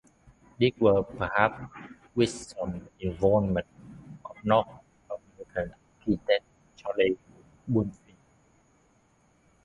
This was perhaps with some involvement of noted American architect Charles Bulfinch.